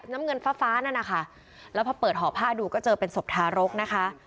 น้ำเงินฟ้าฟ้านั่นนะคะแล้วพอเปิดห่อผ้าดูก็เจอเป็นศพทารกนะคะ